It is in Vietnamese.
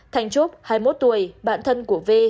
thành trúc hai mươi một tuổi bạn thân của vi